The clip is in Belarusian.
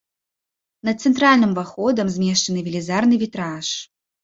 Над цэнтральным уваходам змешчаны велізарны вітраж.